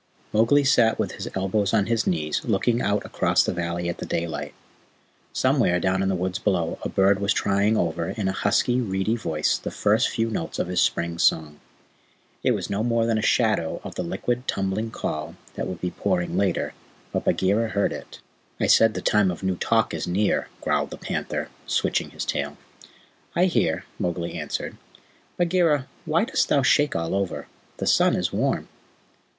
Mowgli sat with his elbows on his knees, looking out across the valley at the daylight. Somewhere down in the woods below a bird was trying over in a husky, reedy voice the first few notes of his spring song. It was no more than a shadow of the liquid, tumbling call he would be pouring later, but Bagheera heard it. "I said the Time of New Talk is near," growled the panther, switching his tail. "I hear," Mowgli answered. "Bagheera, why dost thou shake all over? The sun is warm."